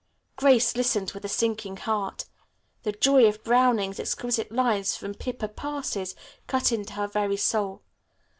Grace listened with a sinking heart. The joy of Browning's exquisite lines from "Pippa Passes" cut into her very soul.